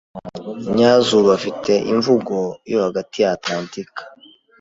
Nyazuba afite imvugo yo hagati ya Atlantika.